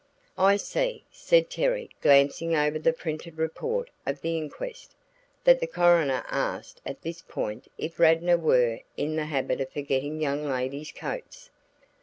"I see," said Terry glancing over the printed report of the inquest, "that the coroner asked at this point if Radnor were in the habit of forgetting young ladies' coats.